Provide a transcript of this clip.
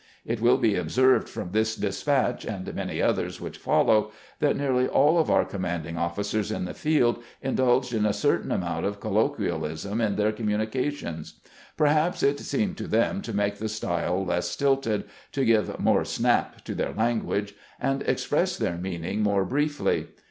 It wiU be observed from this despatch, and many others which foUow, that nearly aU of our commanding officers in the field indulged in a certain amount of colloquial ism in their communications. Perhaps it seemed to them to make the style less stilted, to give more snap to their language, and express their meaning more briefly.